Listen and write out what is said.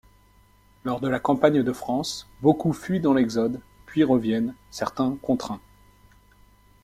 Lors de la campagne de France, beaucoup fuient dans l’exode, puis reviennent, certains contraints.